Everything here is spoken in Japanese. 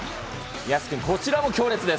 やす君、こちらも強烈です。